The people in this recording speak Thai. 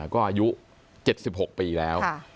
ก็อายุ๗๖ปีแล้ว